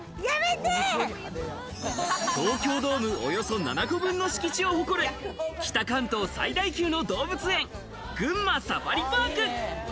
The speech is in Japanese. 東京ドームおよそ７個分の敷地を誇る、北関東最大級の動物園・群馬サファリパーク。